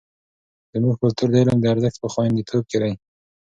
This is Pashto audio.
زموږ کلتور د علم د ارزښت په خوندیتوب کې دی.